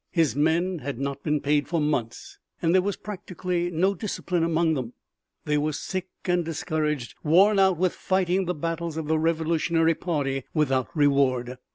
His men had not been paid for months and there was practically no discipline among them. They were sick and discouraged, worn out with fighting the battles of the Revolutionary party without reward.